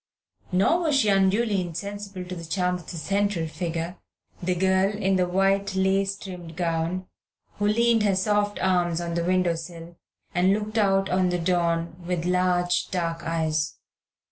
Nor was she unduly insensible to the charm of the central figure, the girl in the white lace trimmed gown who leaned her soft arms on the window sill and looked out on the dawn with large dark eyes.